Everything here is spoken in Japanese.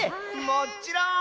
もっちろん！